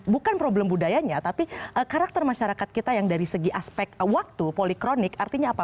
bukan problem budayanya tapi karakter masyarakat kita yang dari segi aspek waktu polikronik artinya apa